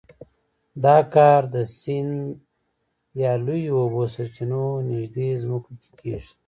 دا کار د سیند یا لویو اوبو سرچینو نږدې ځمکو کې کېږي.